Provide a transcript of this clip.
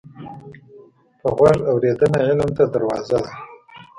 په غوږ اورېدنه علم ته دروازه ده